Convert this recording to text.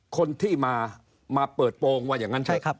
คนที่มาเปิดโปรงว่าอย่างนั้น